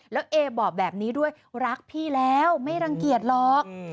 แล้วเอบอกแบบนี้ด้วยรักพี่แล้วไม่รังเกียจหรอก